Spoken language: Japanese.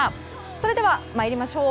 それでは参りましょう。